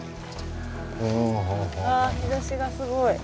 あ日ざしがすごい。